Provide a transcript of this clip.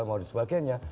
mau dan sebagainya